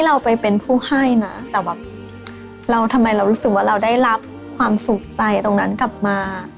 เราไปเป็นผู้ให้นะแต่แบบเราทำไมเรารู้สึกว่าเราได้รับความสุขใจตรงนั้นกลับมา